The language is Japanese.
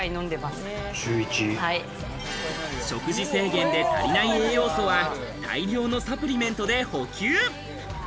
食事制限で足りない栄養素は、大量のサプリメントで補給。